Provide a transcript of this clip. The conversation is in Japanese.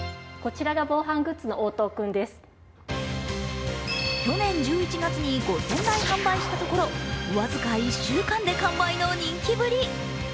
それが去年１１月に５０００台販売したところ、僅か１週間で完売の人気ぶり。